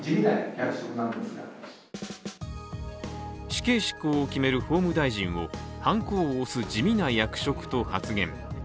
死刑執行を決める法務大臣を、はんこを押す地味な役職と発言。